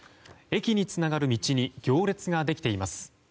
駅につながる道に行列ができています。